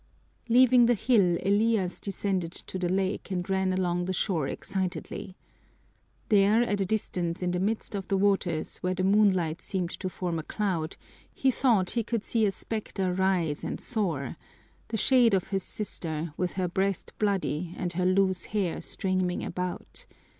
Leaving the hill, Elias descended to the lake and ran along the shore excitedly. There at a distance in the midst of the waters, where the moonlight seemed to form a cloud, he thought he could see a specter rise and soar the shade of his sister with her breast bloody and her loose hair streaming about.